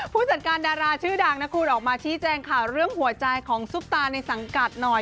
ผู้จัดการดาราชื่อดังนะคุณออกมาชี้แจงข่าวเรื่องหัวใจของซุปตาในสังกัดหน่อย